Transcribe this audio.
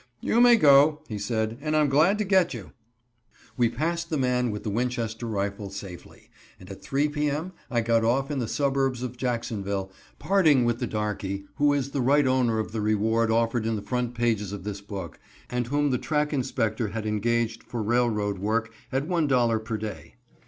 "You may go," he said, "and I'm glad to get you." We passed the man with the Winchester rifle safely, and at 3 p. m. I got off in the suburbs of Jacksonville, parting with the darkey, who is the right owner of the reward offered in the front pages of this book, and whom the track inspector had engaged for railroad work at $1.00 per day.